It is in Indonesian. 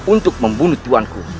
untuk membunuh tuhan ku